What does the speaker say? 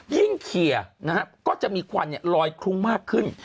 เคลียร์นะฮะก็จะมีควันลอยคลุ้งมากขึ้น